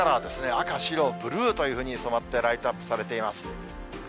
赤、白、ブルーというふうに染まって、ライトアップされています。